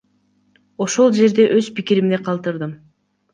Ошол жерде өз пикиримди калтырдым.